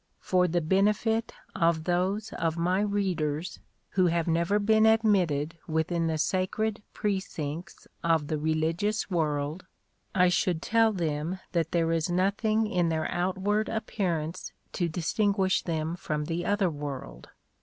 For the benefit of those of my readers who have never been admitted within the sacred precincts of the religious world, I should tell them that there is nothing in their outward appearance to distinguish them from the other world.